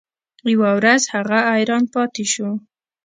یوه ورځ هغه حیران پاتې شو.